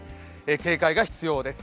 警戒が必要です。